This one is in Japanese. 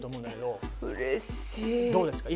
どうですか？